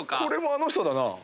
これもあの人だな。